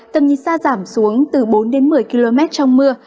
tầm nhìn xa giảm xuống từ bốn đến một mươi km trong mưa